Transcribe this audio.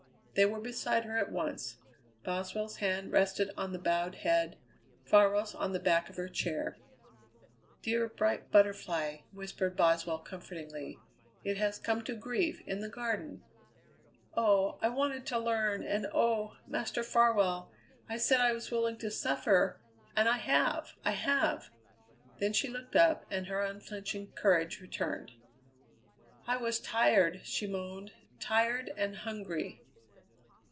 They were beside her at once. Boswell's hand rested on the bowed head; Farwell's on the back of her chair. "Dear, bright Butterfly!" whispered Boswell comfortingly; "it has come to grief in the Garden." "Oh! I wanted to learn, and oh! Master Farwell, I said I was willing to suffer, and I have, I have!" Then she looked up and her unflinching courage returned. "I was tired!" she moaned; "tired and hungry."